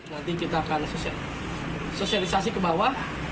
nanti kita akan sosialisasi ke bawah